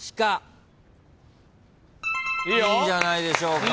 いいじゃないでしょうか。